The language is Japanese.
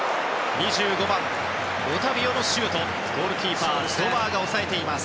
２５番、オタビオのシュートはゴールキーパー、ゾマーが押さえました。